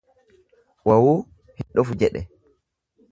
Wawuu, hin dhufu jedhe.